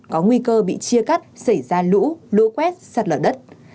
có nguy cơ bị chia cắt xảy ra lũ lũ quét sạt lở đất